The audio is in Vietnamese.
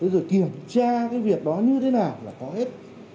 rồi kiểm tra cái việc đó như thế nào là có hết